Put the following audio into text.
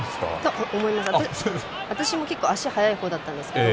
私も結構、足が速いほうだったんですけど